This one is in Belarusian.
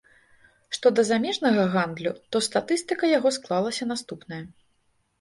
Што да замежнага гандлю, то статыстыка яго склалася наступная.